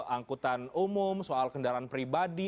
angkutan umum soal kendaraan pribadi